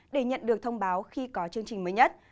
để nhận được thông báo khi có chương trình mới nhất